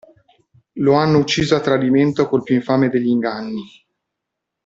Lo hanno ucciso a tradimento col più infame degli inganni.